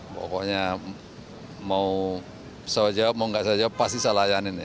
pokoknya mau bisa jawab mau nggak bisa jawab pasti saya layanin ya